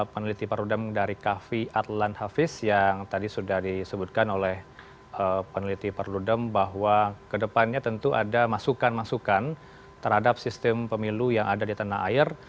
peneliti perludem dari kavi adlan hafiz yang tadi sudah disebutkan oleh peneliti perludem bahwa ke depannya tentu ada masukan masukan terhadap sistem pemilu yang ada di tanah air